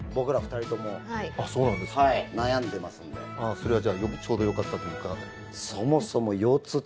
それはじゃあちょうどよかったというか。